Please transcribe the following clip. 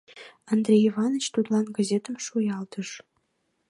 Андрей Иваныч тудлан газетым шуялтыш.